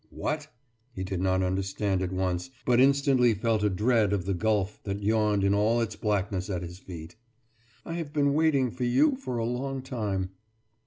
« »What?« he did not understand at once, but instantly felt a dread of the gulf that yawned in all its blackness at his very feet. »I have been waiting for you for a long time.